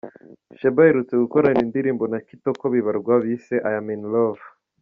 Sheebah aherutse gukorana indirimbo na Kitoko Bibarwa bise ‘I Am In Love’.